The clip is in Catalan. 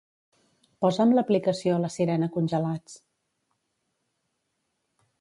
Posa'm l'aplicació La Sirena Congelats.